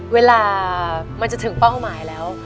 เวลามันจะถึงเป้าหมายแล้ว